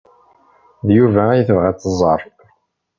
D Yuba ay tebɣa ad tẓer.